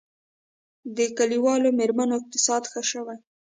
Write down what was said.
د کلیوالي میرمنو اقتصاد ښه شوی؟